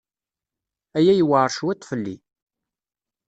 Aya yewɛeṛ cwiṭ fell-i.